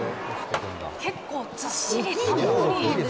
結構ずっしりたっぷり。